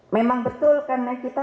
memang betul karena kita